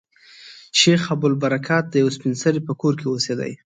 شیخ ابوالبرکات د یوې سپین سري په کور کې اوسېدی.